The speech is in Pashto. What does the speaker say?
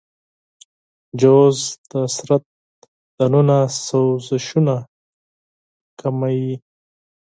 چارمغز د بدن داخلي سوزشونه کموي.